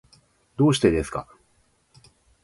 どうしてですか。